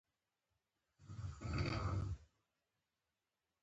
ځای پر ځای شوي وو.